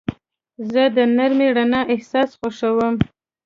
زه د نرمې رڼا احساس خوښوم.